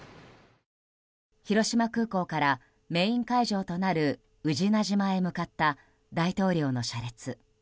広島空港からメイン会場となる宇品島へ向かった大統領の車列。